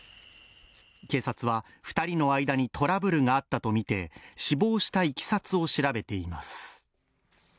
警察は、２人の間にトラブルがあったとみて、死亡したいきさつを調べています。